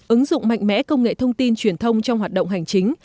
ứng dụng mạnh mẽ công nghệ thông tin truyền thông trong hoạt động hành chính